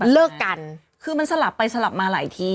เลิกกันคือมันสลับไปสลับมาหลายที